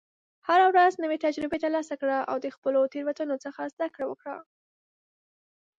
هره ورځ نوې تجربې ترلاسه کړه، او د خپلو تېروتنو څخه زده کړه وکړه.